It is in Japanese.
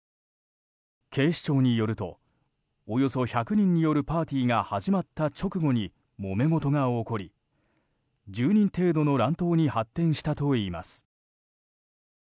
警視庁によるとおよそ１００人によるパーティーが始まった直後にもめ事が起こり１０人程度の乱闘に発展したといいます。